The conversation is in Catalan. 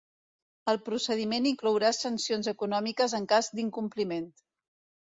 El procediment inclourà sancions econòmiques en cas d’incompliment.